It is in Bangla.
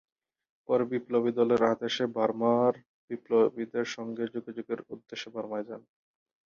পরে বিপ্লবী দলের আদেশে বার্মার বিপ্লবীদের সংগে যোগাযোগের উদ্দেশ্যে বার্মায় যান।